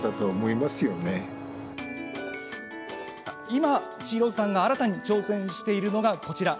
今、千尋さんが新たに挑戦しているのが、こちら。